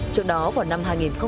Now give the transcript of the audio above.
trong đó vào năm hai nghìn hai mươi